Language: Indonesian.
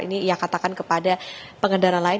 ini ia katakan kepada pengendara lain